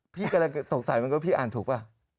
พี่กำลังสงสัยว่าพี่อ่านถูกไหม